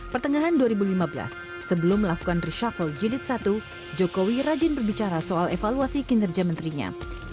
pertengahan dua ribu lima belas sebelum melakukan reshuffle jilid satu jokowi rajin berbicara soal evaluasi kinerja menterinya